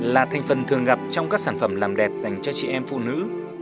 là thành phần thường gặp trong các sản phẩm làm đẹp dành cho chị em phụ nữ